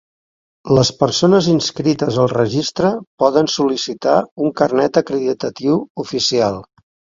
Les persones inscrites al Registre poden sol·licitar un carnet acreditatiu oficial.